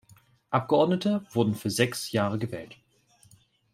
Abgeordnete wurden für sechs Jahre gewählt.